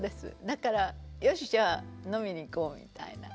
だから「よしじゃ飲みに行こう」みたいな。